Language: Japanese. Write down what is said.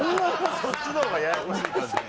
そっちのがややこしい感じ。